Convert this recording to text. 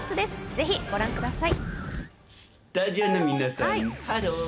ぜひご覧ください。